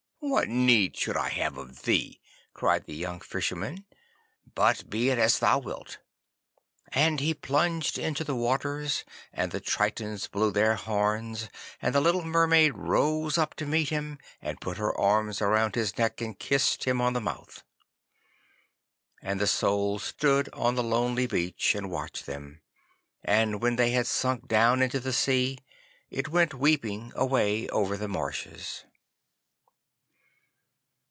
'What need should I have of thee?' cried the young Fisherman, 'but be it as thou wilt,' and he plunged into the waters and the Tritons blew their horns and the little Mermaid rose up to meet him, and put her arms around his neck and kissed him on the mouth. And the Soul stood on the lonely beach and watched them. And when they had sunk down into the sea, it went weeping away over the marshes.